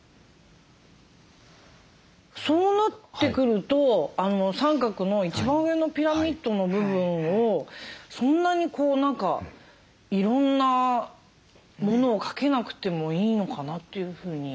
そうなってくると三角の一番上のピラミッドの部分をそんなにいろんなものをかけなくてもいいのかなというふうに思いました。